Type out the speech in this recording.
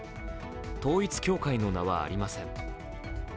統一教会の名はありません。